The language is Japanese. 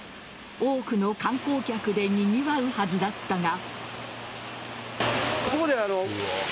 多くの観光客でにぎわうはずだったが。